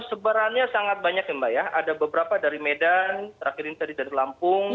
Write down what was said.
sebenarnya sangat banyak ada beberapa dari medan terakhir ini tadi dari lampung